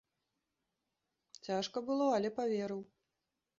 Цяжка было, але паверыў.